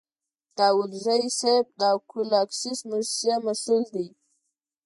داودزی صیب د اکول اکسیس موسسې مسوول دی.